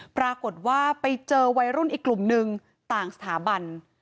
ปรากฏว่าไปเจอวัยรุ่นอีกกลุ่มนึงต่างสถาบัน